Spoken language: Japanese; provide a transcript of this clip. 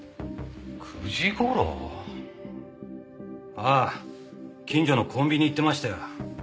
ああ近所のコンビニ行ってましたよ。